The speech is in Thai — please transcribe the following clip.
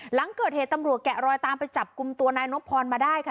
หลังเกิดเหตุตำรวจแกะรอยตามไปจับกลุ่มตัวนายนบพรมาได้ค่ะ